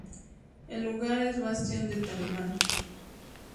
El lugar es bastión del Talibán.